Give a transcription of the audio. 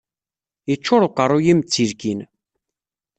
Yeččur uqerruy-im d tilkin.